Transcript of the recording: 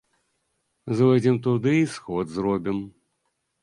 Зойдзем туды й сход зробім.